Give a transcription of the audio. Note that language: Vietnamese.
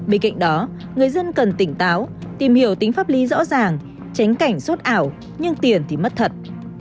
bên cạnh đó người dân cần tỉnh táo tìm hiểu tính pháp lý rõ ràng tránh cảnh sốt ảo nhưng tiền thì mất thật